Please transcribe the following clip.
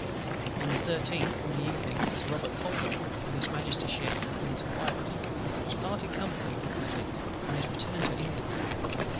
On the 13th in the evening, Sir ROBERT CALDER, in his Majesty's ship the Prince of Wales, parted company with the Fleet, on his return to England.